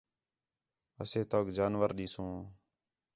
اَسے تؤک جانور ݙیسوں